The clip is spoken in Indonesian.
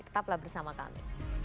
tetaplah bersama kami